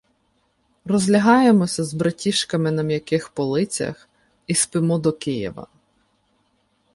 Розлягаємося з "братішками" на м'яких полицях і спимо до Києва.